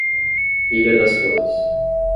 Ilha das Flores